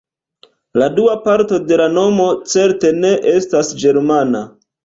La dua parto de la nomo certe ne estas ĝermana.